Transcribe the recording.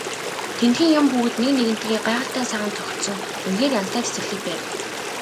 Тэндхийн юм бүгд нэг нэгэнтэйгээ гайхалтай сайхан зохицсон үнэхээр янзтай цэцэрлэг байв.